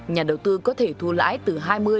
nhà đầu tư có thể thu lãi từ hai mươi hai mươi năm